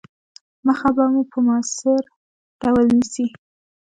مخه به په موثِر ډول نیسي.